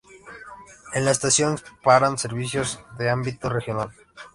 En la estación paran servicios de ámbito regional.